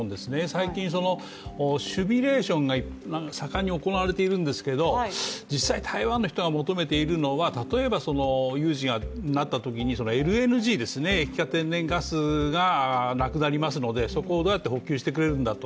最近、シミュレーションが盛んに行われているんですけど、実際台湾の人が求めているのは例えば有事になったときにＬＮＧ＝液化天然ガスがなくなりますのでそこをどうやって補給してくれるんだと。